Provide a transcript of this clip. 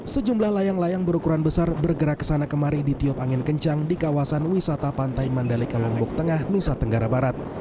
sejumlah layang layang berukuran besar bergerak ke sana kemari di tiup angin kencang di kawasan wisata pantai mandalika lombok tengah nusa tenggara barat